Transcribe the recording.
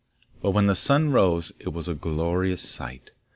But when the sun rose, it was a glorious sight.